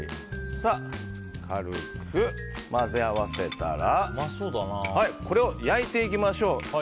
軽く混ぜ合わせたらこれを焼いていきましょう。